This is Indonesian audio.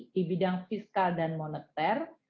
di bidang fiskal dan moneter